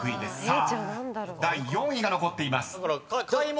［さあ第４位が残っています］